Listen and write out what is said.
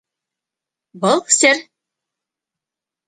Был сер.